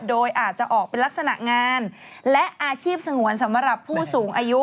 โดยอาจจะออกเป็นลักษณะงานและอาชีพสงวนสำหรับผู้สูงอายุ